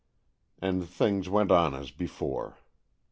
And things went on as before.